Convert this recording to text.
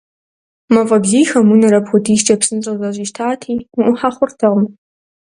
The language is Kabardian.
Мафӏэ бзийхэм унэр апхуэдизкӏэ псынщӏэу зэщӏищтати, уӏухьэ хъуртэкъым.